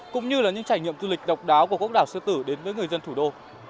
cũng như là những trải nghiệm du lịch độc đáo của quốc đảo sư tử đến với người dân thủ đô